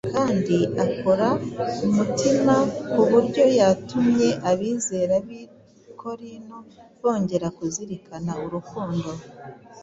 kandi akora k mutima ku buryo yatumye abizera b’i Korinto bongera kuzirikana urukundo